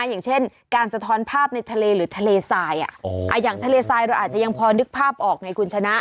อย่างเช่นการสะท้อนภาพในทะเลหรือทะเลทรายอย่างทะเลทรายเราอาจจะยังพอนึกภาพออกไงคุณชนะ